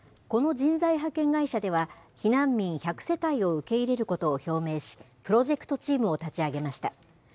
この人材派遣会社では、避難民１００世帯を受け入れることを表明し、プロジェクトチームを立ち上げました。